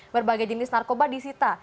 berbagai jenis narkoba disita